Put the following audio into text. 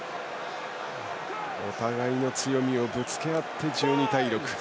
お互いの強みをぶつけ合って１２対６。